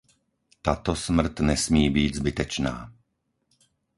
Tato smrt nesmí být zbytečná.